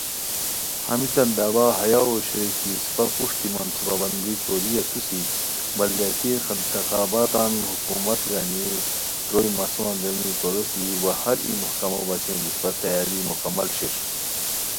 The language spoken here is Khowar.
ہمیتان دعوا ہیہ اوشوئےکی، اسپہ پروشٹی منصوبہ بندی کوری اسوسی، بلدیاتی انتخاباتان حکومت گنی تروئے مسو اندرینی کوروسی، وا ہر ای محکمو بچین اسپہ تیاری مکمل شیر